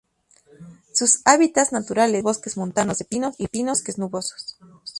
Sus hábitats naturales son los bosque montanos de pinos y los bosques nubosos.